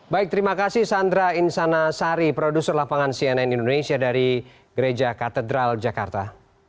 baik terima kasih sandra insanasari produser lapangan cnn indonesia dari gereja katedral jakarta